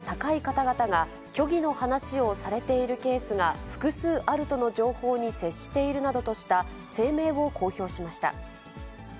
ジャニーズ事務所は、被害者でない可能性が高い方々が、虚偽の話をされているケースが複数あるとの情報に接しているなどとした声明を公表しました。